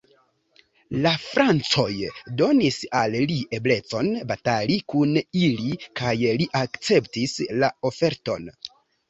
La Francoj donis al li eblecon batali kun ili kaj li akceptis la oferton.